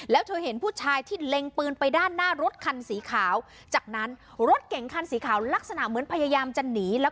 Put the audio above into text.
แล้วเธอเห็นผู้ชายที่เล็งปืนไปด้านหน้ารถคันสีขาว